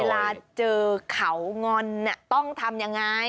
เวลาเจอเขางอนต้องทำยังไง